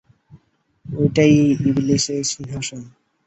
ওটাই ইবলীসের সিংহাসন।